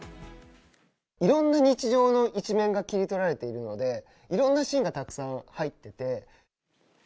いろんな日常の一面が切り取られているので、いろんなシーンがたくさん入ってて。